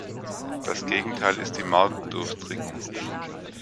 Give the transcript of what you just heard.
Das Gegenteil ist die Marktdurchdringung.